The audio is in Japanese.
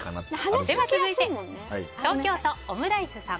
続いて、東京都の方。